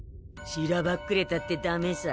しらばっくれたってダメさ。